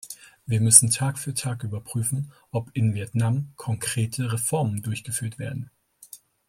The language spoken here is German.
Wir müssen Tag für Tag überprüfen, ob in Vietnam konkrete Reformen durchgeführt werden.